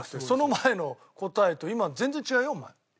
その前の答えと今の全然違うよお前。